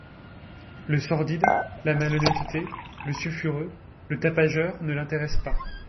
Le sordide, la malhonnêteté, le sulfureux, le tapageur ne l’intéresse pas.